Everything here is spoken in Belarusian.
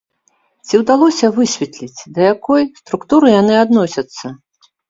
Ці ўдалося высветліць, да якой структуры яны адносяцца?